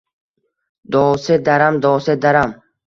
“Dooset daram, dooset daram…”